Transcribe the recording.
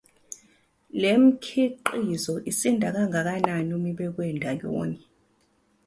Le mikhiqizo isinda kangakanani uma ibekwe ndawonye?